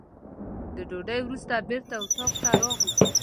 د ډوډۍ وروسته بېرته اتاق ته راغلم.